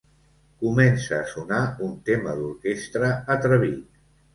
Comença a sonar un tema d'orquestra atrevit.